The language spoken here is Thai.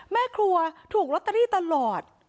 แม่ครัวถูกลอตเตอรี่ตลอด